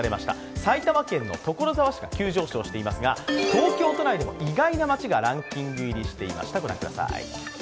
埼玉県の所沢市が急上昇していますが、東京都内でも意外な街がランキング入りしていました。